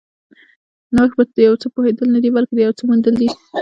نوښت په یو څه پوهېدل نه دي، بلکې د یو څه موندل دي.